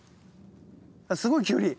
あっすごいキュウリ。